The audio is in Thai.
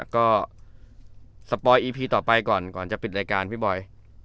ก็สปอยอีพีต่อไปก่อนก่อนจะปิดรายการพี่บอย